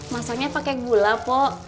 masaknya pakai gula pok